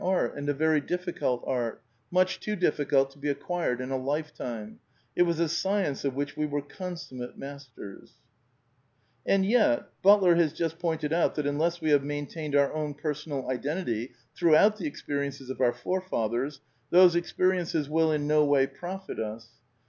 art — and a very difficult art — much too difficult to be acquired J^ in a lifetime; it was a science of which we were consummater \ masters." (Life and Habit, page 60.) And yet, Butler has just pointed out that unless we have maintained our own personal identity throughout the ex periences of our forefathers^ those experiences will in no way profit us.